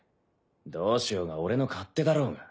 どうしようが俺の勝手だろうが。